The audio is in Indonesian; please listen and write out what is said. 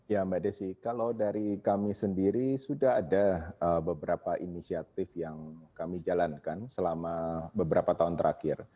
ya mbak desi kalau dari kami sendiri sudah ada beberapa inisiatif yang kami jalankan selama beberapa tahun terakhir